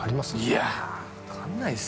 いやわかんないっす。